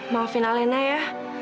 tersama alena ya